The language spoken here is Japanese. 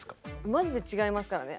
マジで違いますからね。